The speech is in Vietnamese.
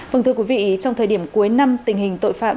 vâng thưa quý vị trong thời điểm cuối năm tình hình tội phạm